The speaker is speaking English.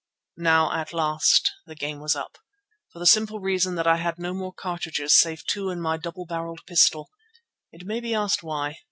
Now at last the game was up, for the simple reason that I had no more cartridges save two in my double barrelled pistol. It may be asked why.